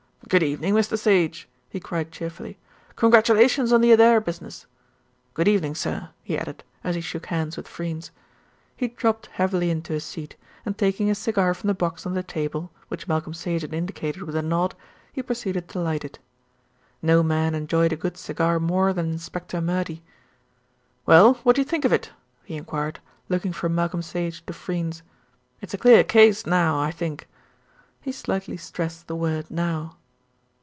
"Good evening, Mr. Sage," he cried cheerfully. "Congratulations on the Adair business. Good evening, sir," he added, as he shook hands with Freynes. He dropped heavily into a seat, and taking a cigar from the box on the table, which Malcolm Sage had indicated with a nod, he proceeded to light it. No man enjoyed a good cigar more than Inspector Murdy. "Well, what do you think of it?" he enquired, looking from Malcolm Sage to Freynes. "It's a clear case now, I think." He slightly stressed the word "now."